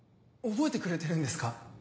覚えてくれてるんですか？